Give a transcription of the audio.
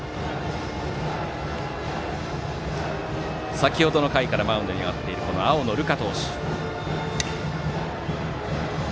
先程の回からマウンドに上がっている青野流果。